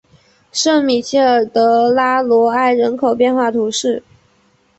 圣米歇尔德拉罗埃人口变化图示